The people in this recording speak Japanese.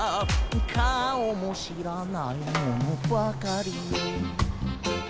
「顔も知らない者ばかり」